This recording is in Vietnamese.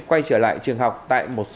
quay trở lại trường học tại một số nơi